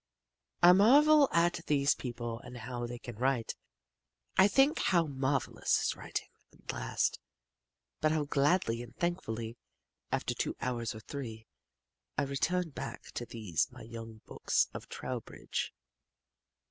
I marvel at these people and how they can write. I think how marvelous is writing, at last but how gladly and thankfully, after two hours or three, I return back to these my young books of Trowbridge.